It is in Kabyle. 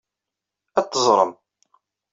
Ad t-teẓrem.